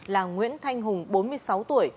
là nguyễn thanh hùng bốn mươi sáu tuổi